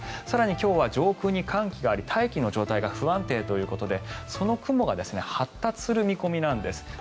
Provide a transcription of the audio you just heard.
更に今日は上空に寒気があり大気の状態が不安定ということでその雲が発達する見込みなんです。